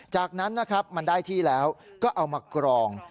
จากนั้นนะครับมันได้ที่แล้วก็เอามากรอง